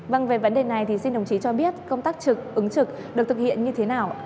vâng về vấn đề này thì xin đồng chí cho biết công tác trực ứng trực được thực hiện như thế nào ạ